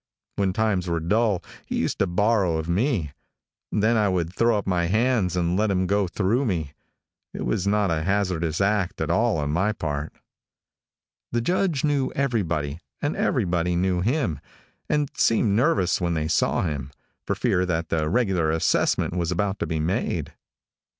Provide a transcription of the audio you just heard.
When times were dull he used to borrow of me. Then I would throw up my hands and let him go through me. It was not a hazardous act at all on my part. The Judge knew everybody, and everybody knew him, and seemed nervous when they saw him, for fear that the regular assessment was about to be made.